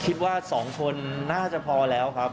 คิดว่า๒คนน่าจะพอแล้วครับ